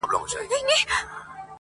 ښکاري هره ورځ څلور پنځه ټاکلې -